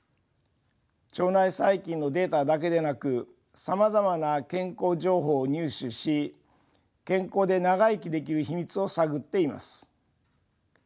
腸内細菌のデータだけでなくさまざまな健康情報を入手し健康で長生きできる秘密を探っています。